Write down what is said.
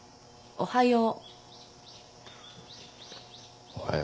おはよう。